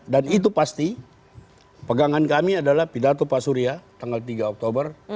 dan itu pasti pegangan kami adalah pidato pak surya tanggal tiga oktober